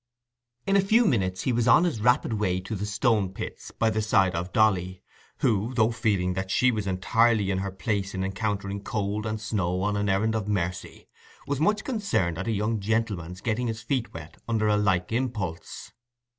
In a few minutes he was on his rapid way to the Stone pits by the side of Dolly, who, though feeling that she was entirely in her place in encountering cold and snow on an errand of mercy, was much concerned at a young gentleman's getting his feet wet under a like impulse.